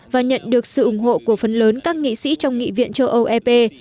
và nhận được sự ủng hộ của phần lớn các nghị sĩ trong nghị viện châu âu ep